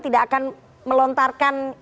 tidak akan melontarkan